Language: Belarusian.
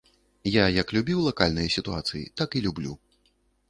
Я як любіў лакальныя сітуацыі, так і люблю.